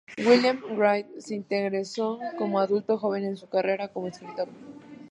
William Wright se interesó como adulto joven en su carrera como escritor.